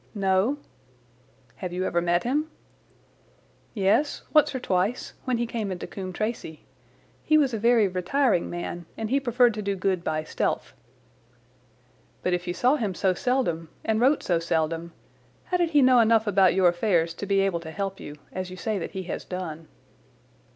"No." "Have you ever met him?" "Yes, once or twice, when he came into Coombe Tracey. He was a very retiring man, and he preferred to do good by stealth." "But if you saw him so seldom and wrote so seldom, how did he know enough about your affairs to be able to help you, as you say that he has done?"